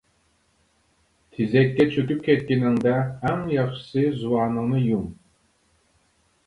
تېزەككە چۆكۈپ كەتكىنىڭدە ئەڭ ياخشىسى زۇۋانىڭنى يۇم.